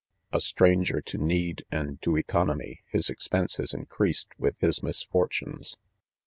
A stranger to need and fee economy, his expen ses increased with his misfortunes.